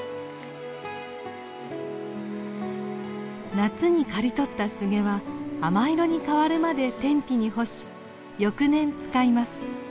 夏に刈り取ったスゲは亜麻色に変わるまで天日に干し翌年使います。